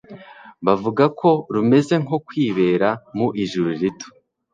bavuga ko rumeze nko kwibera mu ijuru rito